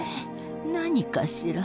何かしら。